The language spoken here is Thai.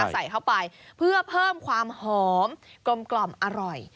ใส่เข้าไปเพื่อเพิ่มความหอมกลมอร่อย